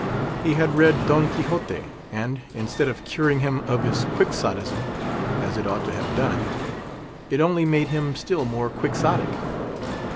He had read Don Quixote, and, instead of curing him of his Quixotism, as it ought to have done, it only made him still more Quixotic.